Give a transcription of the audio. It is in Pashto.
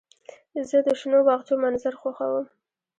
زه د شنو باغچو منظر خوښوم.